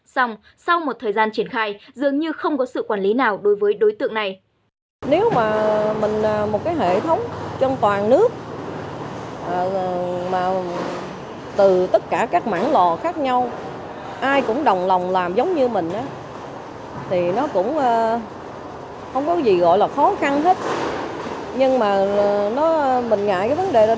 xong sau một thời gian triển khai dường như không có sự quản lý nào đối với đối tượng này